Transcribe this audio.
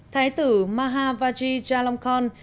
thái tử mahavaji jalongkorn